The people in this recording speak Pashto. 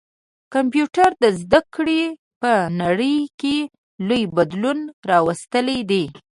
کمپيوټر د زده کړي په نړۍ کي لوی بدلون راوستلی دی.